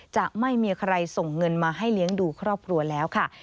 จะไม่มีใครส่งเงินมาให้เลี้ยงดูครอบครัวแล้วค่ะ